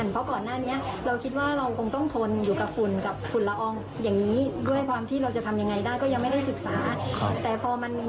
ให้เขาซื้อไปเลยค่ะที่ไปเลยค่ะตามราคาประเมิน